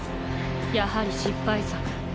やはり失敗作。